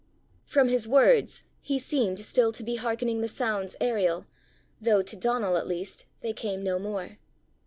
From his words he seemed still to be hearkening to the sounds aerial, though to Donal at least they came no more.